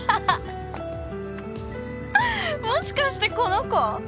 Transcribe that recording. もしかしてこの子？